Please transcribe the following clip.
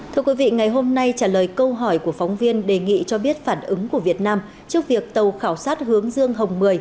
thưa quý vị ngày hôm nay trả lời câu hỏi của phóng viên đề nghị cho biết phản ứng của việt nam trước việc tàu khảo sát hướng dương hồng mười